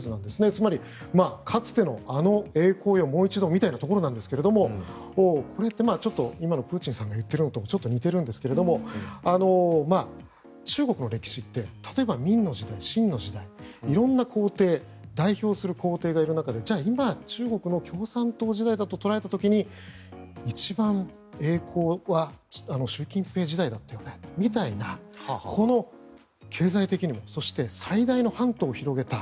つまり、かつてのあの栄光よもう一度みたいなところなんですがこれって今のプーチンさんが言っているのとちょっと似ているんですが中国の歴史って例えば、明の時代、清の時代色んな皇帝代表する皇帝がいる中で今、中国の共産党時代だと捉えた時に一番、栄光は習近平時代だったよねみたいな経済的にもそして最大の版図を広げた。